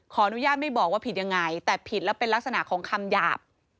ขออนุญาตไม่บอกว่าผิดยังไงแต่ผิดแล้วเป็นลักษณะของคำหยาบ